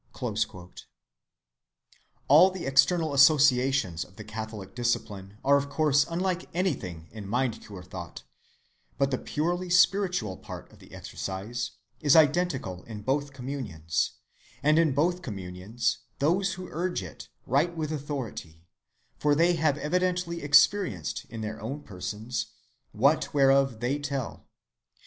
(62) All the external associations of the Catholic discipline are of course unlike anything in mind‐cure thought, but the purely spiritual part of the exercise is identical in both communions, and in both communions those who urge it write with authority, for they have evidently experienced in their own persons that whereof they tell.